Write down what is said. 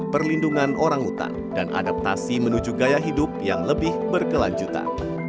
perlindungan orang hutan dan adaptasi menuju gaya hidup yang lebih berkelanjutan